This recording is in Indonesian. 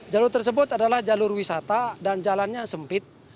jalur tersebut adalah jalur wisata dan jalannya sempit